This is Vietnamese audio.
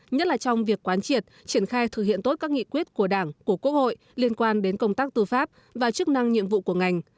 nhất là trong việc quán triệt triển khai thực hiện tốt các nghị quyết của đảng của quốc hội liên quan đến công tác tư pháp và chức năng nhiệm vụ của ngành